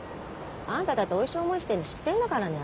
あんただっておいしい思いしてるの知ってんだからね。